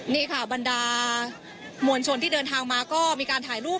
นี่ค่ะบรรดามวลชนที่เดินทางมาก็มีการถ่ายรูป